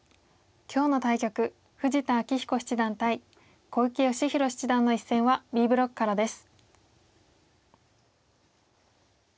今日の対局富士田明彦七段対小池芳弘七段の一戦はＢブロックからです。